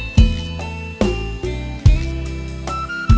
เทอะไรน็อ